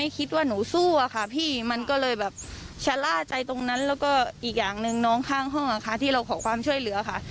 ข้างห้องอ่ะค่ะที่เราขอความช่วยเหลือค่ะ